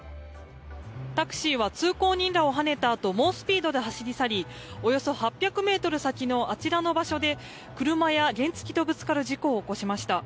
タクシーは通行人らをはねたあと猛スピードで走り去りおよそ８００ｍ先のあちらの場所で、車や原付きとぶつかる事故を起こしました。